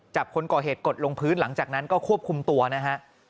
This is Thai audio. คนก่อเหตุกดลงพื้นหลังจากนั้นก็ควบคุมตัวนะฮะ